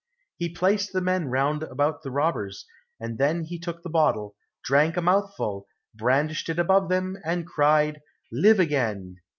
He placed the men round about the robbers, and then he took the bottle, drank a mouthful, brandished it above them, and cried, "Live again."